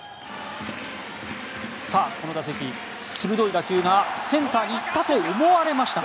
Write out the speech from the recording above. この打席、鋭い打球がセンターに行ったと思われましたが。